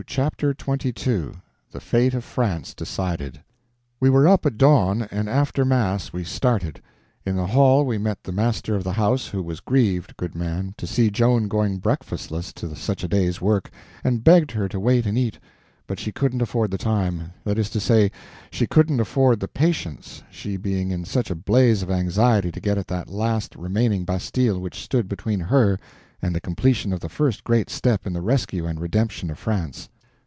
Chapter 22 The Fate of France Decided WE WERE up at dawn, and after mass we started. In the hall we met the master of the house, who was grieved, good man, to see Joan going breakfastless to such a day's work, and begged her to wait and eat, but she couldn't afford the time—that is to say, she couldn't afford the patience, she being in such a blaze of anxiety to get at that last remaining bastille which stood between her and the completion of the first great step in the rescue and redemption of France.